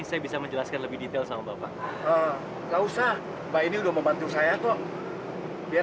saya bisa menjelaskan lebih detail sama bapak gak usah pak ini udah membantu saya kok biar